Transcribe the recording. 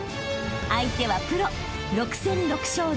［相手はプロ６戦６勝６ＫＯ］